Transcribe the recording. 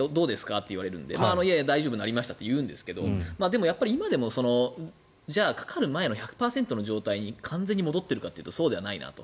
って言われていやいや、大丈夫になりましたと言うんですが今でもかかる前の１００％の状態に完全に戻ってるかというとそうではないなと。